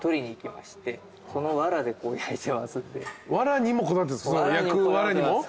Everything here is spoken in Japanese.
わらにもこだわってるんですか？